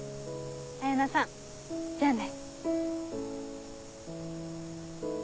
彩菜さんじゃあね。